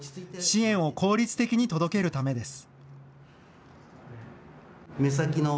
支援を効率的に届けるためです。